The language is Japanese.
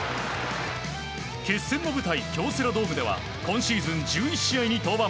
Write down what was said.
決戦の舞台、京セラドームでは今シーズン１１試合に登板。